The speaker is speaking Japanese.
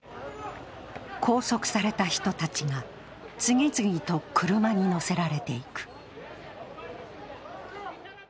拘束された人たちが次々と車に乗せられていく。